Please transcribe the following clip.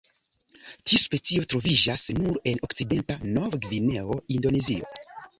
Tiu specio troviĝas nur en Okcidenta Nov-Gvineo, Indonezio.